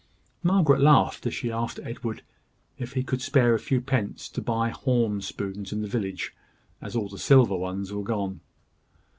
Margaret laughed, as she asked Edward if he could spare a few pence to buy horn spoons in the village, as all the silver ones were gone.